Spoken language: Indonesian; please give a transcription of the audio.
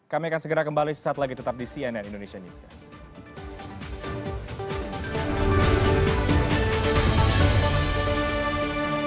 kami akan segera kembali sesaat lagi tetap di cnn indonesia newscast